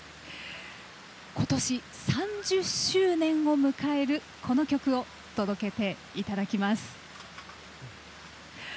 今年、３０周年を迎えるこの曲を届けていただきます。